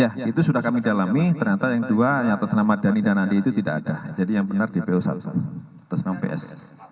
ya itu sudah kami dalami ternyata yang dua yang tersenam adani dan andi itu tidak ada jadi yang benar dpo satu tersenam ps